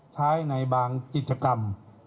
ใช้ในบางกิจกรรม